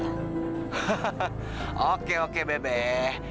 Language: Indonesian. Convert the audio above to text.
hahaha oke oke bebeh